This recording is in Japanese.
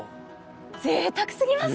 ぜいたくすぎますね。